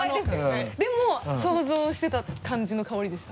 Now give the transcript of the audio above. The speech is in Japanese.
でも想像してた感じの香りでした。